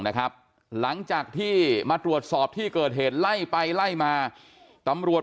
นะครับหลังจากที่มาตรวจสอบที่เกิดเหตุไล่ไปไล่มาตำรวจ